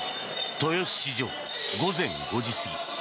豊洲市場、午前５時過ぎ。